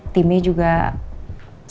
timnya juga sangat